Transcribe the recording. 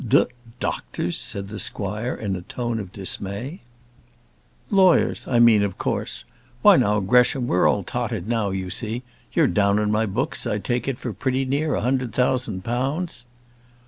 "D doctors!" said the squire in a tone of dismay. "Lawyers, I mean, of course. Why, now, Gresham; we're all totted now, you see; you're down in my books, I take it, for pretty near a hundred thousand pounds."